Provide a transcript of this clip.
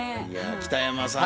北山さん